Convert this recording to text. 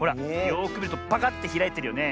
よくみるとパカッてひらいてるよね。